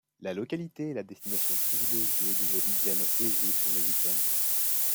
La localité est la destination privilégiée des abidjanais aisés pour le week-end.